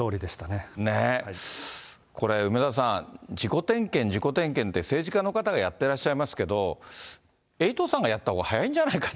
ね、これ、梅沢さん、自己点検、自己点検って、政治家の方がやってらっしゃいますけど、エイトさんがやったほうが早いんじゃないか。